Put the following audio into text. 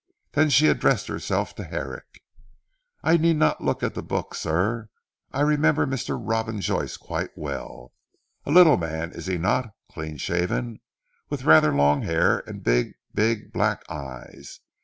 Then she addressed herself to Herrick. "I need not look at the books sir. I remember Mr. Robin Joyce quite well. A little man is he not clean shaven with rather long hair and big, big black eyes.